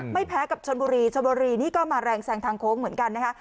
ไม่แพ้กับชนบุรีชนบุรีนี่ก็มาแรงแซงทางโค้งเหมือนกันนะคะ